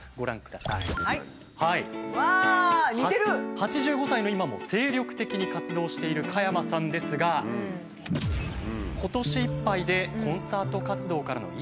８５歳の今も精力的に活動している加山さんですが今年いっぱいでコンサート活動からの引退を決意されました。